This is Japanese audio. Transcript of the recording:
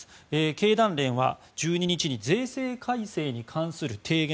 経団連は１２日に税制改正に関する提言